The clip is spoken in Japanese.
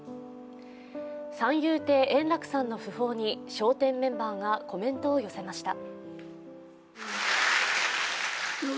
三遊亭円楽さんの訃報に「笑点」メンバーがコメントを寄せました。